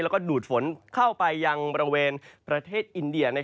แล้วก็ดูดฝนเข้าไปยังบริเวณประเทศอินเดีย